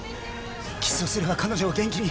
キスをすれば彼女を元気に。